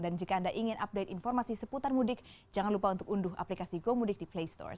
dan jika anda ingin update informasi seputar mudik jangan lupa untuk unduh aplikasi gomudik di play store